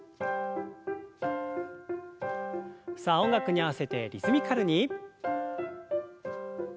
さあ音楽に合わせてリズミカルに。